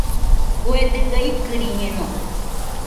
Kue dɨga ikɨriñeno.